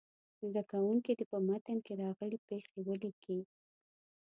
زده کوونکي دې په متن کې راغلې پيښې ولیکي.